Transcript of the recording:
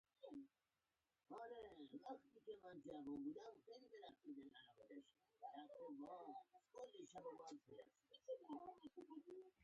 ښايي دوی د طالبانو نقد هم وکړي